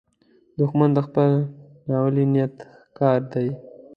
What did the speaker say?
دښمن د خپل ناولي نیت ښکار دی